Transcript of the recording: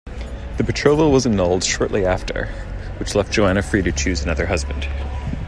The betrothal was annulled shortly after, which left Joanna free to choose another husband.